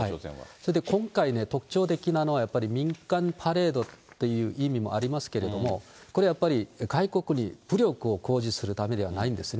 それで今回ね、特徴的なのは、やっぱり民間パレードという意味もありますけれど、これやっぱり、外国に武力を誇示するためではないんですね。